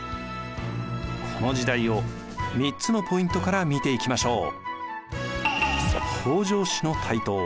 この時代を３つのポイントから見ていきましょう。